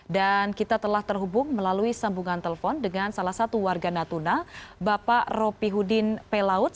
dan kita telah terhubung melalui sambungan telepon dengan salah satu warga natuna bapak ropi hudin pelaut